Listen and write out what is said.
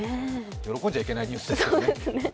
喜んじゃいけないニュースですけどね。